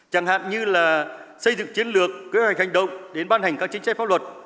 chẳng hạn như là xây dựng chiến lược kế hoạch hành động đến ban hành các chính sách pháp luật